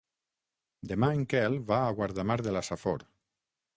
Demà en Quel va a Guardamar de la Safor.